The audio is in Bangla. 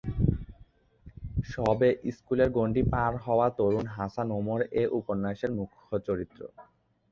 সবে স্কুলের গণ্ডি পার হওয়া তরুণ হাসান ওমর এ উপন্যাসের মুখ্যচত্রিত।